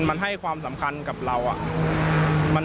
มันให้ความสำคัญกับเรา